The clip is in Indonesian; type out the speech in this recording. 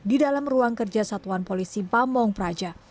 di dalam ruang kerja satpol pp pamung praja